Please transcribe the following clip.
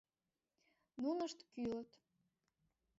Нунышт кӱлыт.